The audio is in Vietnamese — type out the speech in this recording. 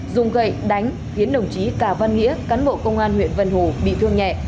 dùng gậy đánh khiến đồng chí cà văn nghĩa cán bộ công an huyện vân hồ bị thương nhẹ